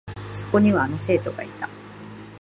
そこには、あの生徒がいた。